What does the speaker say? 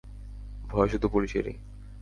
ভয় শুধু পুলিশেরই।